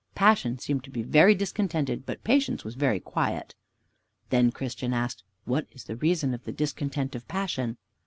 Passion seemed to be very discontented, but Patience was very quiet. Then Christian asked, "What is the reason of the discontent of Passion?"